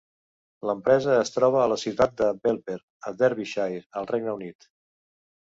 L'empresa es troba a la ciutat de Belper, a Derbyshire, al Regne Unit.